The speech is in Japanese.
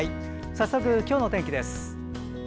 早速、今日の天気です。